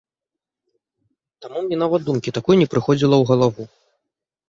Таму мне нават думкі такой не прыходзіла ў галаву.